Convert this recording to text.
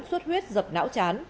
suốt huyết dập não chán